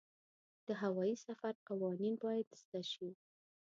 د هوايي سفر قوانین باید زده شي.